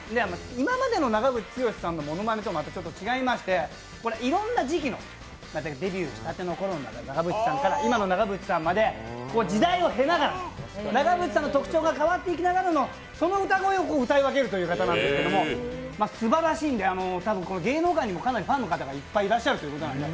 今までの長渕剛さんのものまねとは、また違いまして、いろんな時期の、例えばデビュー仕立ての頃の長渕さんから今の長渕さんまで時代を経ながら長渕さんの特徴が変わっていきながら歌っていくということですばらしいんで、多分芸能界にもかなりファンの方がいっぱいいらっしゃるということで。